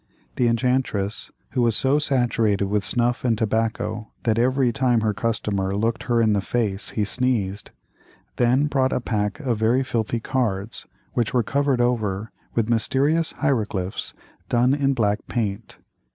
The enchantress, who was so saturated with snuff and tobacco that every time her customer looked her in the face he sneezed, then brought a pack of very filthy cards, which were covered over with mysterious hieroglyphics done in black paint.